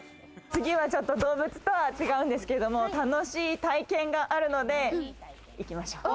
次は、動物とは違うんですけれども、楽しい体験があるので行きましょう。